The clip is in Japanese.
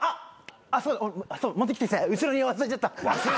あっそうだ持ってきて後ろに忘れちゃった。